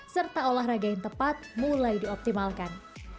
serta olahraga yang tepat mulai dioptimalkan